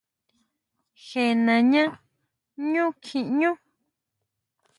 ¿Jé nañá ʼñú kjiñú?